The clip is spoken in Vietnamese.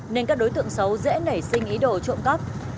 nên các đối tượng xấu dễ nảy sinh ý đồ trộm cắp